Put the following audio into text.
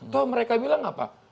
toh mereka bilang apa